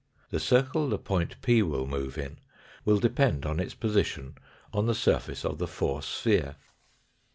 The circle the point p will move in will depend on its position on the surface of the four sphere.